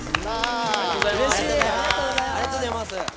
ありがとうございます。